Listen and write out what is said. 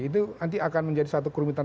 itu nanti akan menjadi satu kerumitan